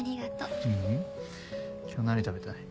今日何食べたい？